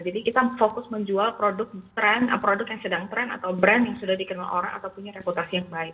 jadi kita fokus menjual produk yang sedang trend atau brand yang sudah dikenal orang atau punya reputasi yang baik